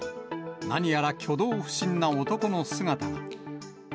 何やら挙動不審な男の姿が。